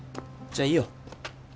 じゃあいいよ。